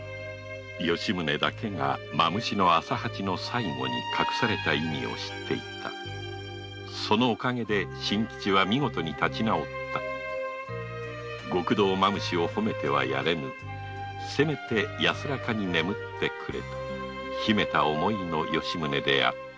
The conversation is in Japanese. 吉宗だけが蝮の浅八の最後に隠された意味を知っていたそのおかげで真吉は見事に立ちなおった極道蝮を褒めてはやれぬせめて安らかに眠ってくれと秘めた思いの吉宗であった